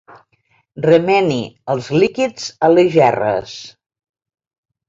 Remeni els líquids a les gerres.